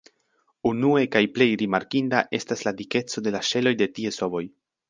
Unue kaj plej rimarkinda estas la dikeco de la ŝeloj de ties ovoj.